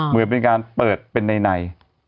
เหมือนเป็นการเปิดเป็นใน